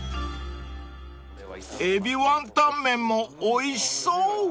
［海老ワンタン麺もおいしそう］